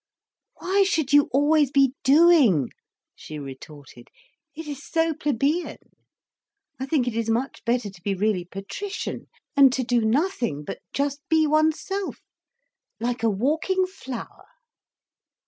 "Why should you always be doing?" she retorted. "It is so plebeian. I think it is much better to be really patrician, and to do nothing but just be oneself, like a walking flower."